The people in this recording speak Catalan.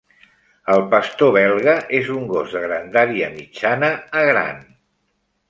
El pastor belga és un gos de grandària mitjana a gran.